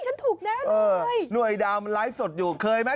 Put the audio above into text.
เหนื่อยดาวน์ไลฟ์สดอยู่เคยมั้ย